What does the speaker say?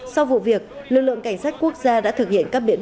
sau vụ việc lực lượng cảnh sát quốc gia đã thực hiện một bài phát biểu